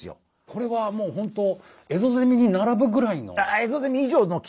これはもう本当エゾゼミに並ぶぐらいの。